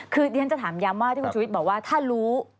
คือที่ฉันจะถามย้ำว่าที่คุณชุวิตบอกว่าถ้ารู้